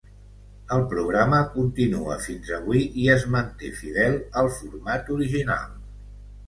El programa continua fins avui i es manté fidel al format original.